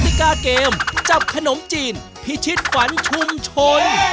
ติกาเกมจับขนมจีนพิชิตขวัญชุมชน